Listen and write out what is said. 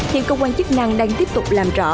hiện công an chức năng đang tiếp tục làm rõ